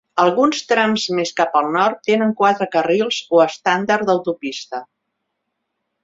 Alguns trams més cap al nord tenen quatre carrils o estàndard d'autopista.